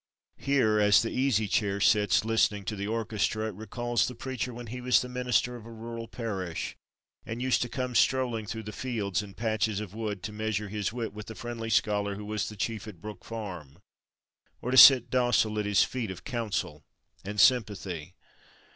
Here, as the Easy Chair sits listening to the orchestra, it recalls the preacher when he was the minister of a rural parish, and used to come strolling through the fields and patches of wood to measure his wit with the friendly scholar who was the chief at Brook Farm, or to sit docile at his feet of counsel and sympathy.